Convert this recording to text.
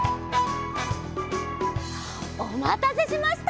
おまたせしました。